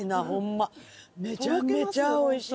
めちゃめちゃおいしい。